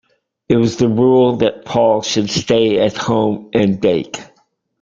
It was the rule that Paul should stay at home and bake.